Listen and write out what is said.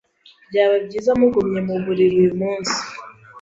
Byaba byiza mugumye mu buriri uyu munsi.